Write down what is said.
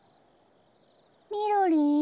みろりん。